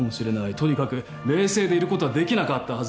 とにかく冷静でいることはできなかったはずだ。